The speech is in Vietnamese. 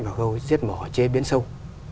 vào khâu diết mỏ chế biến sâu